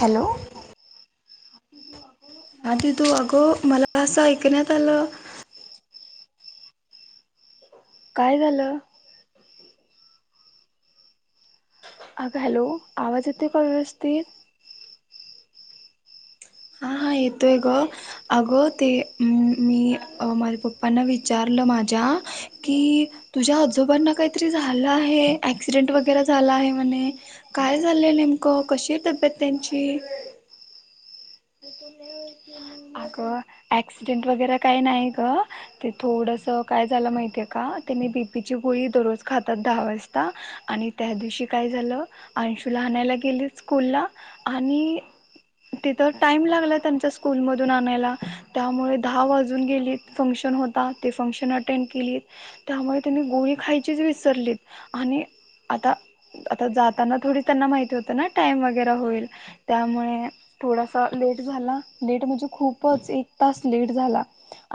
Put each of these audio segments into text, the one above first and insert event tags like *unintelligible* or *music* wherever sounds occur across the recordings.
Hello. *unintelligible* *unintelligible* आ आदी तू अगो, मला असं ऐकण्यात आलं काय झालं? अग हॅलो, आवाज येते काय व्यवस्थित? हा हा येतोय ग, अगं ते मी माझ्या पप्पांना विचारलं माझ्या आ की तुझ्या आोबना काहीतरी झालं आहे एक्सीडेंट वगैरे झाला आहे म्हण काय झालंय नेमकं? कशी आहे तब्येत त्यांची? *inaudible* अक्सिडेंट वगैरे काही नाही ग, ते थोडस काय झालं माहितीये का त्यांनी बी पी ची गोळी दररोज खातात दहा वाजता आणि त्या दिवशी काय झालं अंशूला आणायला गेले स्कूल ला आणि तिथं टाइम लागला त्यांच्या स्कूल मधून आणायला त्यामुळे दहा वाजून गेलीत फंक्शन होता ते फंक्शन अटेंड केलीत त्यामुळे त्यांनी गोष्ट गोळी खायचीच विसरलीत आणि आता, आता जाताना थोडी त्यांना माहिती होत ना टाईम वगैरे होईल त्यामुळे थोडासा लेट झाला, लेट म्हणजे खूपच एक तास लेट झाला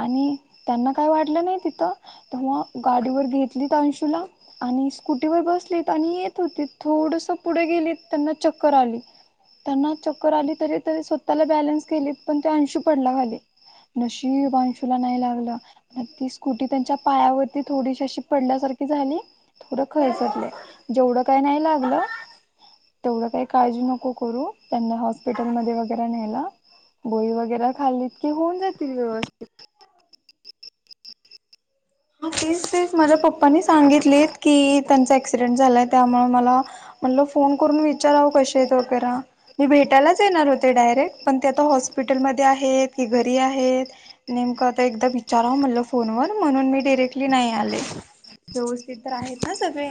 आणि त्यांना काय वाटलं नाही तिथं तेव्हा गाडीवर घे अंशुला आणि स्कुटीवर बसलीत आणि येत होती, थोडस पुढे गेली त्यांना चक्कर आली त्यांना चक्कर आली तरी तरी स्वतःला बॅलन्स केलीत पण ते अंशीू पडला खाली. नशीब अंशूला नाही लागलं, ती स्कुटी त्यांच्या पायावरती थोडीशी अशी पडल्यासारखं झाली. थोड खरचटलं, येवढं काही नाही लागलं. तेवढं काही काळजी नको करू, त्यांना हॉस्पिटल मध्ये वगैरे न्हेला. गोळी वगैरे खाल्लीत की होऊन जातील व्यवस्थित. हा, तेच तेच माझ पप्पा नी सांगितली की त्यांच अऍक्सिडेंट झालाय त्यामुळे मला म्हण फोन करून विचारावं की कशे आहेत वगैरा, मी भेटयलाच येणार होते डायरेक्ट पण हॉस्पिटल म आहेत की घरी आहेत नेमकं आता एकदा विचारावं म्हणलं फोनवर म्हण म्हून मी डिरेक्टली नाही आले, व्यवस्थित तर आहेत ना सगळे?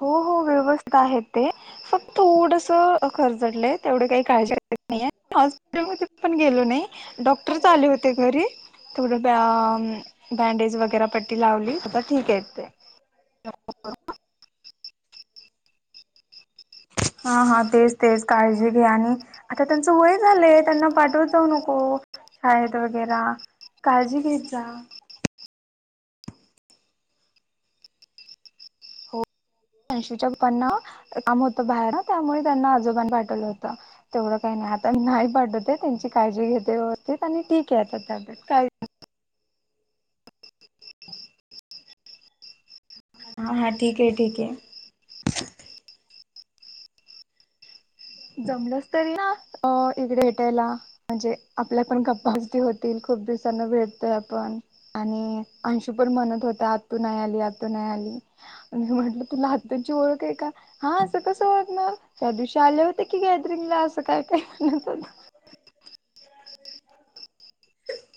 हो होे. व्यवस्थित आहेत ते, फक्त थोडस खरचटलंय तेवढे काही काळजी *unintelligible* नाही. *unintelligible* मग तिथे पण गेलो नाही. डॉक्टरच आले होते घरी थोड बँडेज वगैर तेला पट्टी लावली, *unintelligible* आता ठीक आहेत ते. हा हा तेच तेच काळजी घ्या आणि आता त्यांचं वय झालंय त्यांना पाठवत जाऊ नको शाळेत वगैरा. काळजी घेत जा. हो. ऐशीच्या पनना काम होतं, बाहेर त्यामुळे त्यांना आजोबान पाठवलं होतं, तेवढं काही नाही. आता नाही पाठवते त्यांची काळजी घेते व्यवस्थित आणि ठीक आहे, आता तब्येत काही *inaudible* हा हा ठीक आहे ठीक आहे. जमलंस तरी ना इकडे भटायला म्हणजे आपल्या पण गप्पा होतील. खूप दिवसांना भेटतोय आपण आणि अंशीू पण म्हणत होत, आतू नाही आली आतू नाही आली. आणि म्हटलं तुला आत्याची ओळख आहे, का कसं ओळखणार? त्या दिवशी आल्या हो की गॅदरिंगला असं काय काय म्हणत होता. *inaudible*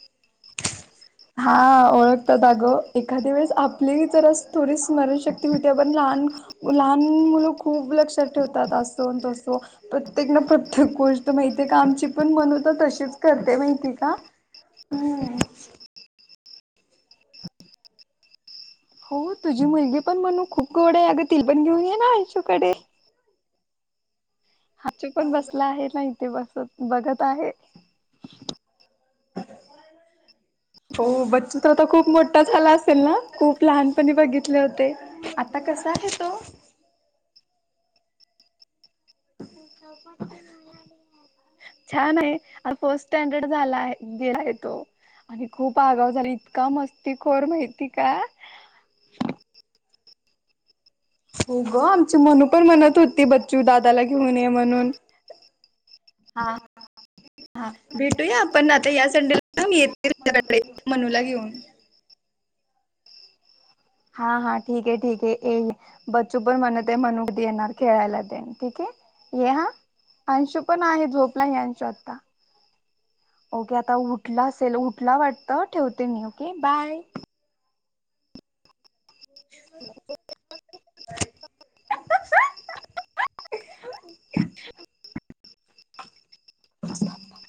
हा, ओळखतात आगं एखाद्या वेळेस आपली जरा थोडी स्मरणशक्ती होती, पण लहान लहान मुल खूप लक्षात ठेवतात असं तसं. तो प्रत्येक ना प्रत्येक गोष्ट माहित ते का आमची पण मनू होत तशीच करते माहिती का हम्. हो तुझी मुलगी पण मणू खूप गोड आहे, अगं त पण घेऊन ये ना अंशू कडे. अंशू पण बसला आहे ना इथे बसत बघत आहे. हो बच्चू तर खूप मोठा झाला असेल ना खूप लहानपणी बघितले होते आता क कसा आहे तो. *inaudible* *unintelligible* छान आहे, आ फर्स्ट स्टँडर्ड झाला आहे, गेलाय तो. आणि खूप आगाउ झाला इतका मस्ती खोर माहिती का. हो ग आमची मनू पण म्हणत होती, बच्चू दादाला घेऊन ये म्हणून. हा हा भेटूया पण आता या संडेला येते मनूला घेऊन. *inaudible* हा हा ठीक आहे, ठीके बच्चू पण म्हणत आहे, मनूदी येणार खेळायला दे ठीक आहे. ये हा अंशू पण आहे, झोपला हे अंशू आता. ओके आता उठला असेल उठला वाटतं ठेवते मी ओके बाय. *unintelligible* हहंह हहम थांब थांब थांब.